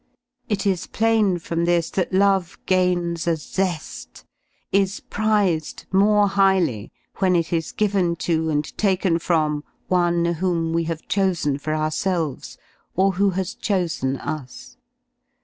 It is plain from this that love gains a ze^, is prized more highly when it is given to and taken from one whom we have chosen for ourselves, or who has chosen us.